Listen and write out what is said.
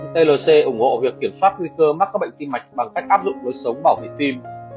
tlc ủng hộ việc kiểm soát nguy cơ mắc các bệnh tim mạch bằng cách áp dụng lối sống bảo vệ tim